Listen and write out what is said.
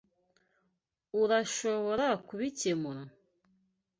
Urashobora kubikemura.